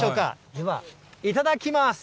では、いただきます。